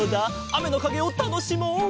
あめのかげをたのしもう。